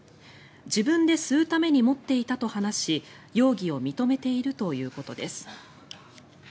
自分で吸うために持っていたと話し容疑を認めています。